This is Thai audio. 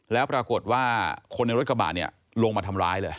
แล้วปรากฏว่าคนในรถกระบะเนี่ยลงมาทำร้ายเลย